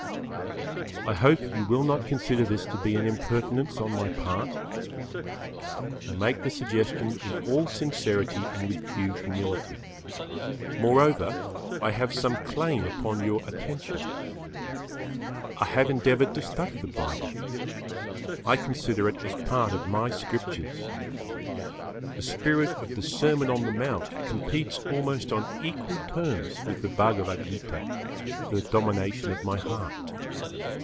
I hope you will not consider this to be an impertinence on my part. I make the suggestion in all sincerity and with due humility. Moreover I have some claim upon your attention. I have endeavoured to study the Bible. I consider it as part of my scriptures. The spirit of the Sermon on the Mount competes almost on equal terms with the Bhagavad Gita for the domination of my heart.